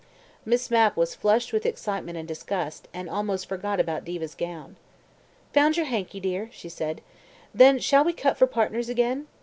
Miss Mapp was flushed with excitement and disgust, and almost forgot about Diva's gown. "Found your hanky, dear?" she said. "Then shall we cut for partners again?